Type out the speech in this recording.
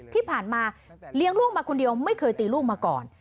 ที่ผ่านมาเลี้ยงลูกมาคนเดียวไม่เคยตีลูกมาก่อน